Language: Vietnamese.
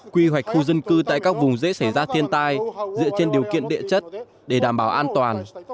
quy hoạch khu dân cư tại các vùng dễ xảy ra thiên tai dựa trên điều kiện địa chất để đảm bảo an toàn